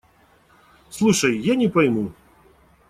Слушай… Я не пойму.